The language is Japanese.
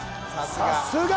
さすが！